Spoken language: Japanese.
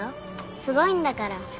すごいんだから。